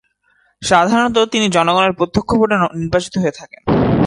সাধারণত তিনি জনগণের প্রত্যক্ষ ভোটে নির্বাচিত হয়ে থাকেন।